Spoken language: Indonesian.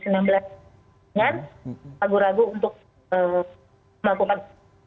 dengan ragu ragu untuk melakukan